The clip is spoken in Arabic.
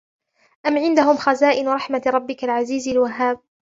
أَمْ عِنْدَهُمْ خَزَائِنُ رَحْمَةِ رَبِّكَ الْعَزِيزِ الْوَهَّابِ